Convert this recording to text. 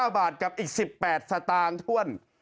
๓๑๘๒๔๙บาทกับอีก๑๘สตางค์ช่วง